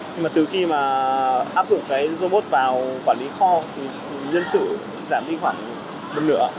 nhưng mà từ khi mà áp dụng cái robot vào quản lý kho thì nhân sự giảm đi khoảng một nửa